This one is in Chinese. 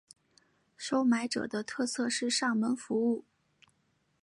收买者的特色是上门服务。